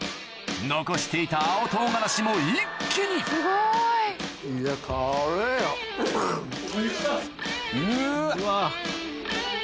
残していた青唐辛子も一気にうわ！